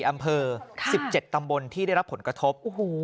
อำเภอ๑๗ตำบลที่ได้รับผลกระทบ